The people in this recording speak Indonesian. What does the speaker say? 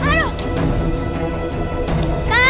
jangan jangan jangan